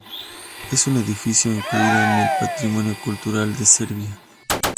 Es un edificio incluido en el Patrimonio Cultural de Serbia.